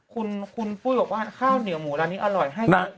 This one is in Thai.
คุณพุยบอกว่าข้าวเหนือหมูแล้วฉันอร่อยให้